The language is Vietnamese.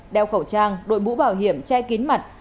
đeo khẩu trang đội mũ bảo hiểm che kín mặt